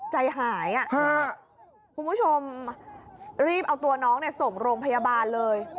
ใจหายคุณผู้ชมรีบเอาตัวน้องส่งโรงพยาบาลเลย